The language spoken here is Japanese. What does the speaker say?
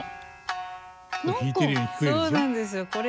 そうなんですよこれ。